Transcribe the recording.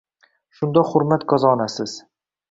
Shunda hurmat qozonasiz.